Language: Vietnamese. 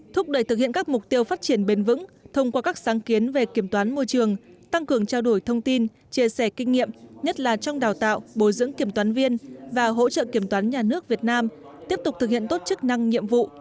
thúc đẩy thực hiện các mục tiêu phát triển bền vững thông qua các sáng kiến về kiểm toán môi trường tăng cường trao đổi thông tin chia sẻ kinh nghiệm nhất là trong đào tạo bồi dưỡng kiểm toán viên và hỗ trợ kiểm toán nhà nước việt nam tiếp tục thực hiện tốt chức năng nhiệm vụ